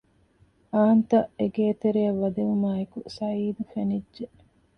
އާންތަށް އެގޭތެރެއަށް ވަދެވުމާއެކު ސަޢީދު ފެނިއްޖެ